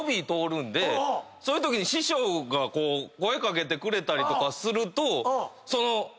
そういうときに師匠が声掛けてくれたりとかすると。